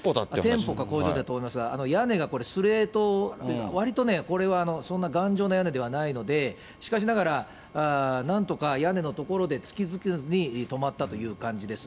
店舗か工場かと思いますが、屋根がスレート、わりとね、これは頑丈な屋根ではないので、しかしながら、なんとか屋根の所で突き抜けずに止まったという感じです。